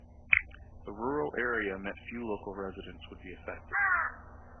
The rural area meant few local residents would be affected.